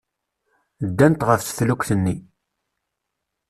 Ddant ɣef teflukt-nni.